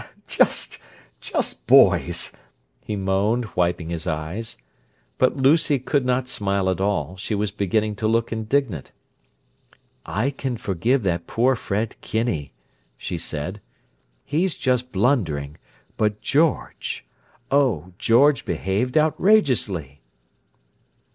_" "Just—just boys!" he moaned, wiping his eyes. But Lucy could not smile at all; she was beginning to look indignant. "I can forgive that poor Fred Kinney," she said. "He's just blundering—but George—oh, George behaved outrageously!"